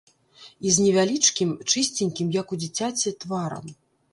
І з невялічкім, чысценькім як у дзіцяці, тварам.